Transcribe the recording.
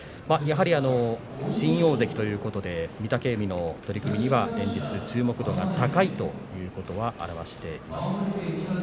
やはり新大関ということで御嶽海の取組は連日注目度が高いということを表しています。